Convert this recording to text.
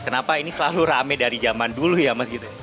kenapa ini selalu rame dari zaman dulu ya mas gitu